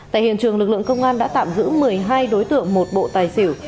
tại hiện trường lực lượng công an đã tạm giữ một mươi hai đối tượng một bộ tài xỉu